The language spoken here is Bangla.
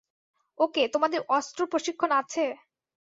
ওকে, তোমাদের অস্ত্র প্রশিক্ষণ আছে?